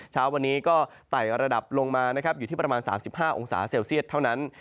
เช้าวันนี้ก็ไต่ระดับลงมานะครับอยู่ที่ประมาณ๓๕องศาเซลเซียตเท่านั้น